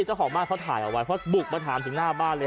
เจ้าของบ้านเขาถ่ายเอาไว้เพราะบุกมาถามถึงหน้าบ้านเลย